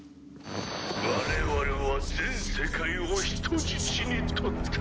「我々は全世界を人質にとった」